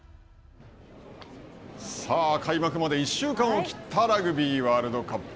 さあ開幕まで１週間を切ったラグビーワールドカップ。